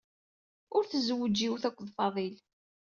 Ur tzewweǧ yiwet akked Faḍil.